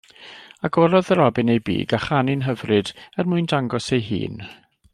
Agorodd y robin ei big a chanu'n hyfryd, er mwyn dangos ei hun.